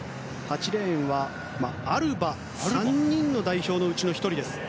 ８レーンはアルバ３人の代表のうちの１人です。